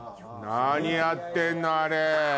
何やってんのあれ。